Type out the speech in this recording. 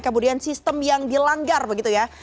kemudian sistem yang dilanggar begitu ya